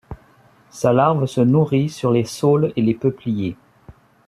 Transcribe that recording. Sa larve se nourrit sur les saules et les peupliers.